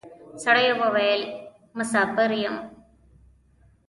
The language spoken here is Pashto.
سړي وويل: مساپر یم.